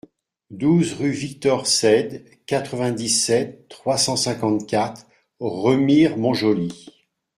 douze rue Victor Ceide, quatre-vingt-dix-sept, trois cent cinquante-quatre, Remire-Montjoly